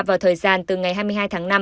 vào thời gian từ ngày hai mươi hai tháng năm